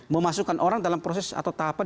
memasukkan orang dalam proses atau tahapan